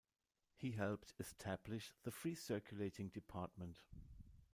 He helped establish the free circulating department.